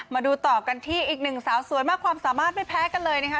มาดูต่อกันที่อีกหนึ่งสาวสวยมากความสามารถไม่แพ้กันเลยนะคะ